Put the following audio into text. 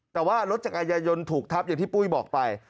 แต่ว่ารถจักรยายนถูกทับอย่างที่ปุ้ยบอกไป